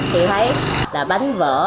thì thấy là bánh vỡ